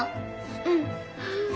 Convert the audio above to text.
うん。